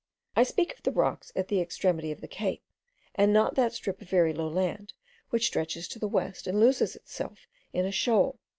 I speak of the rocks at the extremity of the cape, and not that strip of very low land which stretches to the west, and loses itself in a shoal.